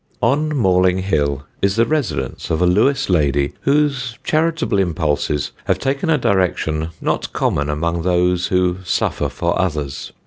On Malling Hill is the residence of a Lewes lady whose charitable impulses have taken a direction not common among those who suffer for others.